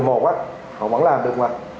ở hai nghìn một mươi một họ vẫn làm được mà